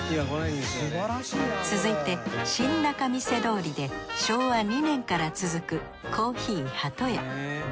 続いて新仲見世通りで昭和２年から続く珈琲ハトヤ。